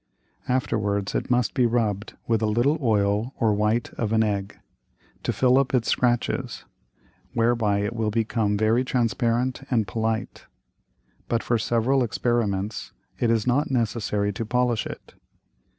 Afterwards it must be rubb'd with a little Oil or white of an Egg, to fill up its Scratches; whereby it will become very transparent and polite. But for several Experiments, it is not necessary to polish it.